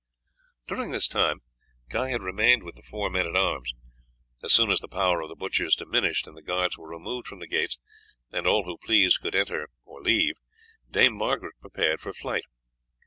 During this time Guy had remained with the four men at arms. As soon as the power of the butchers diminished and the guards were removed from the gates, and all who pleased could enter or leave, Dame Margaret prepared for flight.